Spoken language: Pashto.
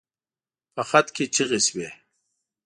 په خط کې چيغې شوې.